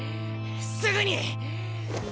すぐに！